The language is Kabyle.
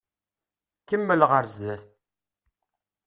Kemmel ɣer zdat.